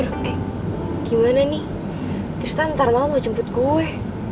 aduh gimana nih tristan ntar malem mau jemput gue